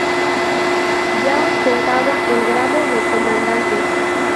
Ya ostentaba el grado de comandante.